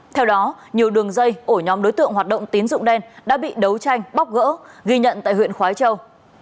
theo đó nhiều đường dây ổ nhóm đối tượng hoạt động tín dụng đen đã bị đấu tranh bóc gỡ ghi nhận tại huyện khói châu